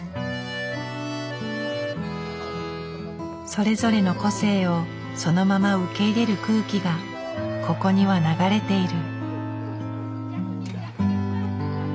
それぞれの個性をそのまま受け入れる空気がここには流れている。